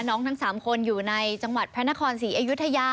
ทั้ง๓คนอยู่ในจังหวัดพระนครศรีอยุธยา